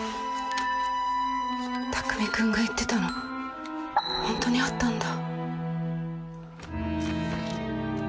匠君が言ってたのホントにあったんだ。